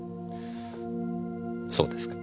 そうですか。